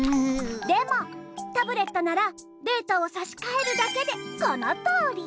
でもタブレットならデータをさしかえるだけでこのとおり！